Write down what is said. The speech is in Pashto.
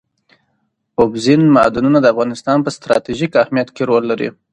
اوبزین معدنونه د افغانستان په ستراتیژیک اهمیت کې رول لري.